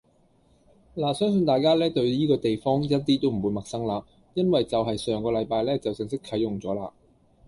拿相信大家呢，對依個地方一啲都唔會陌生啦，因為就係上個禮拜呢就正式啟用咗啦